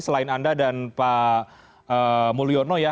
selain anda dan pak mulyono ya